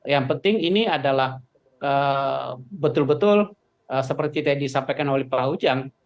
yang penting ini adalah betul betul seperti tadi disampaikan oleh pak ujang